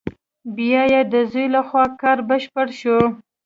بیا یې د زوی له خوا کار بشپړ شو.